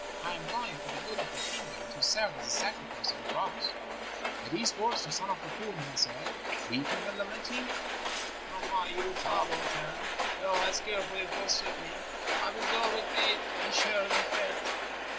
I am going, for the good of the kingdom, to serve as a sacrifice to the frogs.' At these words the son of the poor man said, weeping and lamenting, 'From my youth up, O Chan, thou hast carefully fostered me. I will go with thee, and share thy fate.'